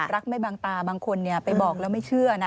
ไม่บางตาบางคนไปบอกแล้วไม่เชื่อนะ